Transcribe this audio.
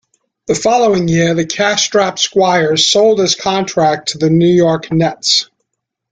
The following year, the cash-strapped Squires sold his contract to the New York Nets.